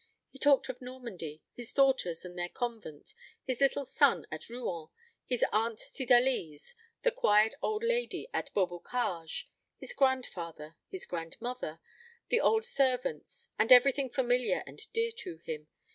He talked of Normandy, his daughters and their convent, his little son at Rouen, his aunt Cydalise, the quiet old lady at Beaubocage; his grandfather, his grandmother, the old servants, and everything familiar and dear to him.